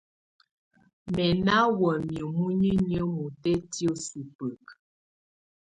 Mɛ̀ nà wamɛ̀á muninyǝ́ mutɛtɛ̀á subǝkǝ.